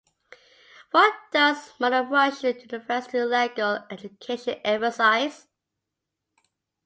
What does modern Russian university legal education emphasize?